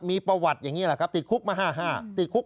มีประวัติอย่างนี้แหละครับติดคุกมา๕๕ติดคุก